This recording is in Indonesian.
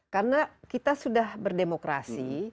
karena kita sudah berdemokrasi